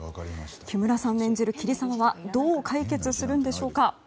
木村さん演じる桐沢はどう解決するんでしょうか。